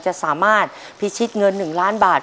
จะสามารถพิชิตเงิน๑ล้านบาท